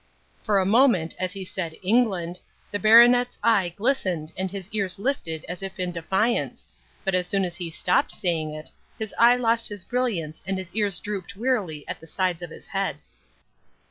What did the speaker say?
For a moment, as he said "England," the baronet's eye glistened and his ears lifted as if in defiance, but as soon as he stopped saying it his eye lost its brilliance and his ears dropped wearily at the sides of his head.